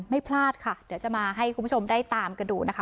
ไม่พลาดค่ะเดี๋ยวจะมาให้คุณผู้ชมได้ตามกันดูนะคะ